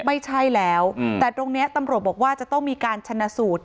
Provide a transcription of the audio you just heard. ไม่ใช่แล้วแต่ตรงนี้ตำรวจบอกว่าจะต้องมีการชนะสูตร